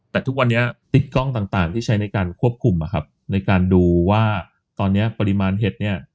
แต่ทุกวันนี้ติ๊กกล้องต่างที่ใช้ในการควบคุมนะครับในการดูว่าตอนนี้ปริมาณเห็ดเนี่ย